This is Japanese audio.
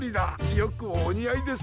よくおにあいです！